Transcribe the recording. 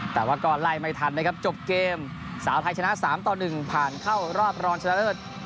แต่ว่าก็ไล่ไม่ทันนะครับจบเกมสาวไทยชนะ๓ต่อ๑ผ่านเข้ารอบรองชนะเลิศ